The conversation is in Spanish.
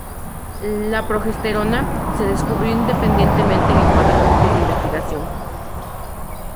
La progesterona se descubrió independientemente en cuatro grupos de investigación.